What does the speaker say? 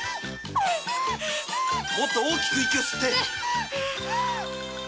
もっと大きく息を吸って！